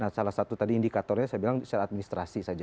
nah salah satu tadi indikatornya saya bilang secara administrasi saja